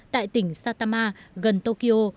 tại tỉnh satama gần tokyo